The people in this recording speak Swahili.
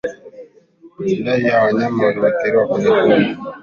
Idadi ya wanyama wanaoathirika kwenye kundi